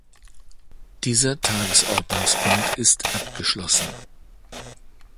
Dieser Tagesordnungspunkt ist abgeschlossen.